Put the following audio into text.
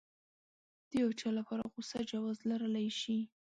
د يو چا لپاره غوسه جواز لرلی شي.